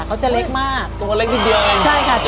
เขาจะเล็กมากตัวเล็กดีอ่ะใช่ครับ